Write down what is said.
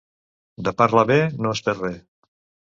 De parlar bé no es perd res.